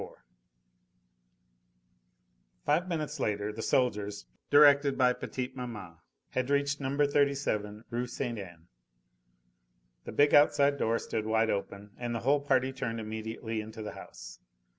IV Five minutes later the soldiers, directed by petite maman, had reached No. 37 Rue Ste. Anne. The big outside door stood wide open, and the whole party turned immediately into the house.